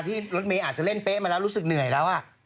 รถเมย์อาจจะเล่นเป๊ะมาแล้วรู้สึกเหนื่อยแล้ว